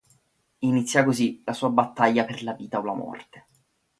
Inizia cosi la sua battaglia per la vita o la morte.